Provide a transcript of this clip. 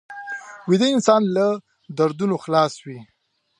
ویده انسان له دردونو خلاص وي